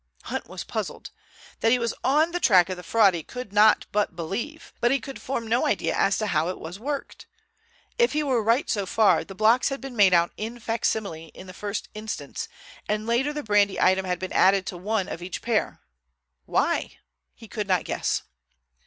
Hunt was puzzled. That he was on the track of the fraud he could not but believe, but he could form no idea as to how it was worked. If he were right so far, the blocks had been made out in facsimile in the first instance, and later the brandy item had been added to one of each pair. Why? He could not guess.